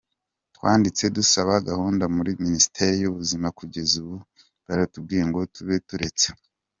Twanditse dusaba gahunda muri Minisiteri y’Ubuzima, kugeza ubu baratubwiye ngo tube turetse.